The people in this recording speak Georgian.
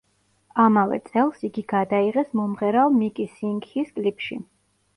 ამავე წელს იგი გადაიღეს მომღერალ მიკი სინგჰის კლიპში.